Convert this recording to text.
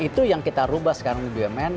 itu yang kita rubah sekarang di bumn